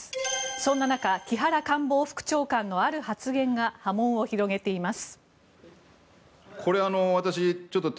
そんな中、木原官房副長官のある発言が波紋を広げています。